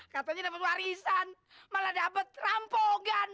katanya dapat warisan malah dapat rampogan